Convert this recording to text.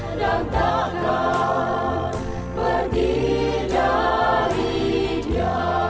dan takkan pergi dari dia